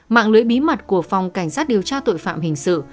mạng lưới bí mật của phòng cảnh sát điều tra tội phạm hình sự